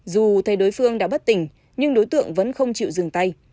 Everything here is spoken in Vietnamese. dù thay đối phương đã bất tỉnh nhưng đối tượng vẫn không chịu dừng tay